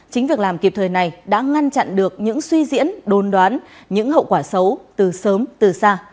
chính việc làm kịp thời này đã ngăn chặn được những suy diễn đồn đoán những hậu quả xấu từ sớm từ xa